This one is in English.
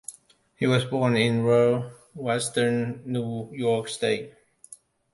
He was born in rural western New York State.